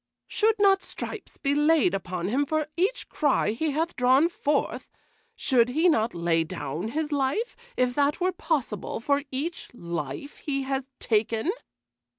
"Should not stripes be laid upon him for each cry he hath drawn forth? Should he not lay down his life, if that were possible, for each life he hath taken?"